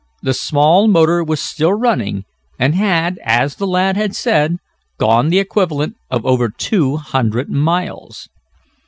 The small motor was still running and had, as the lad had said, gone the equivalent of over two hundred miles.